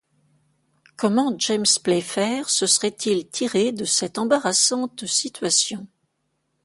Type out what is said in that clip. Comment James Playfair se serait-il tiré de cette embarrassante situation?